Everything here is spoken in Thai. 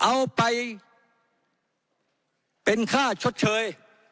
เอาไปเป็นค่าชดเชย